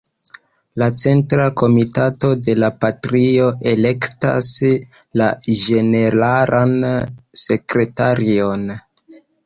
La Centra Komitato de la partio elektas la Ĝeneralan Sekretarion.